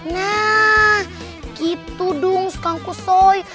nah gitu dong kang kusoy